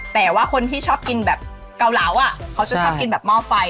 แต่ว่าคนที่ชอบกินแบบเกาเหลาเขาจะชอบกินแบบหม้อไฟ